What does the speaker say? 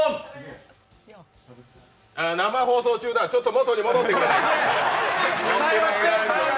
生放送中だ、ちょっと元に戻ってくれ。